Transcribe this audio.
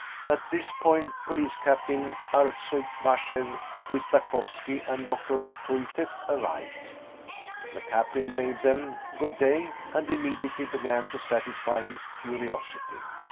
At this point Police Captain Artsuybasheff Svistakovski and Dr. Tyutyeff arrived. The captain bade them " Good day !" and immediately began to satisfy his curiosity.